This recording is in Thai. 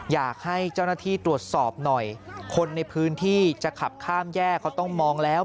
อยากให้เจ้าหน้าที่ตรวจสอบหน่อยคนในพื้นที่จะขับข้ามแยกเขาต้องมองแล้ว